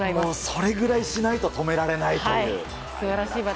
それぐらいしないと止められないという。